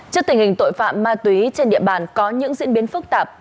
trước tình hình tội phạm ma túy trên địa bàn có những diễn biến phức tạp